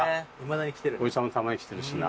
おじさんもたまに来てるしな。